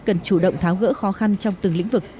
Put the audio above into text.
cần chủ động tháo gỡ khó khăn trong từng lĩnh vực